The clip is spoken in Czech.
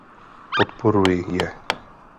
Podporuji je.